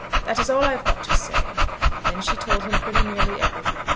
That is all that I have got to say." Then she told him pretty nearly everything.